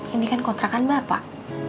ini kan kontrakan bapak